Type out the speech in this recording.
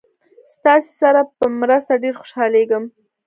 ستاسې سره په مرسته ډېر خوشحالیږم.